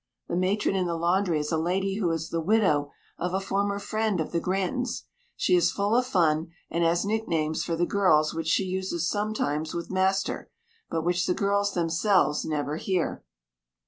The matron in the laundry is a lady who is the widow of a former friend of the Grantons. She is full of fun, and has nick names for the girls which she uses sometimes with master, but which the girls themselves never hear.